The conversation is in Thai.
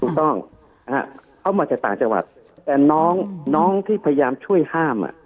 ถูกต้องเขามาจากต่างจังหวัดแต่น้องน้องที่พยายามช่วยห้ามอ่ะ